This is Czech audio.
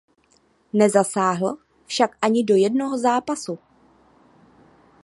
Nezasáhl však ani do jednoho zápasu.